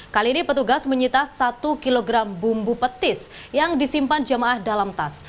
kali ini petugas menyita satu kg bumbu petis yang disimpan jemaah dalam tas